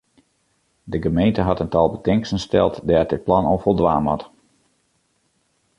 De gemeente hat in tal betingsten steld dêr't it plan oan foldwaan moat.